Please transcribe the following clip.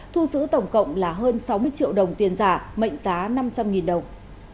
thu giữ tổng cộng là hơn sáu mươi triệu đồng tiền giả mệnh giá năm trăm linh đồng